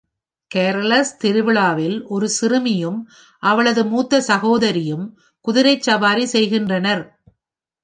கரௌஸல் திருவிழாவில் ஒரு சிறுமியும் அவளது மூத்த சகோதரியும் குதிரைச் சவாரி செய்கின்றனர்